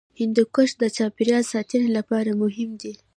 هندوکش د چاپیریال ساتنې لپاره مهم دی.